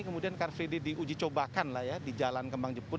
kemudian car free day diuji cobakan lah ya di jalan kembang jepun